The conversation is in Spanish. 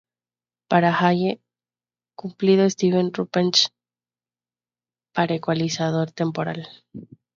Para Halle cumplido Steven Ruprecht para ecualizador temporal